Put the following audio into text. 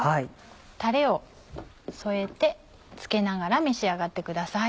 たれを添えてつけながら召し上がってください。